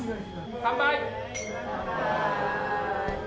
乾杯！